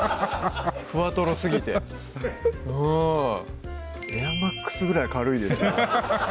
ふわとろすぎてうん「エアマックス」ぐらい軽いです